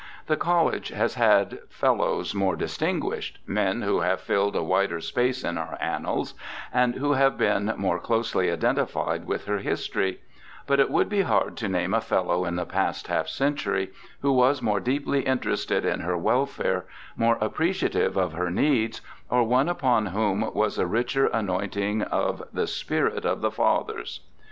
The College has had Fellows more distinguished — men who have filled a wider space in our annals, and who have been more closely identified with her history —but it would be hard to name a Fellow in the past half century who was more deeply interested in her welfare, more appreciative of her needs, or one upon whom was a richer anointing of the spirit of the fathers.